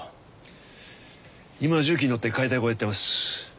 今重機に乗って解体工やってます。